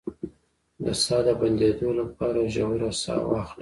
د ساه د بندیدو لپاره ژوره ساه واخلئ